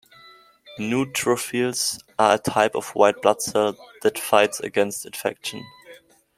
Neutrophils are a type of white blood cell that fights against infection.